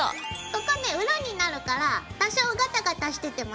ここね裏になるから多少ガタガタしてても大丈夫。